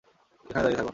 এখানে দাঁড়িয়ে থাকুন।